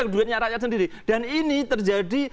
duitnya rakyat sendiri dan ini terjadi